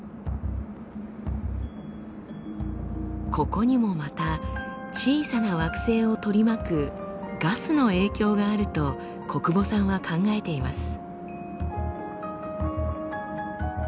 ここにもまた小さな惑星を取り巻くガスの影響があると小久保さんは考えています。